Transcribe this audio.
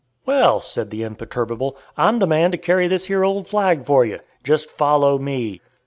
"Well," said the imperturbable, "I'm the man to carry this here old flag for you. Just follow me."